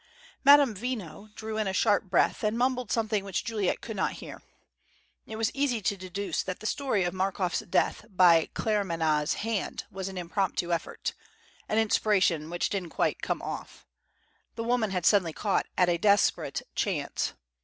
Madame Veno drew in a sharp breath, and mumbled something which Juliet could not hear. It was easy to deduce that the story of Markoff's death by Claremanagh's hand was an impromptu effort an inspiration which didn't quite "come off!" The woman had suddenly caught at a desperate chance.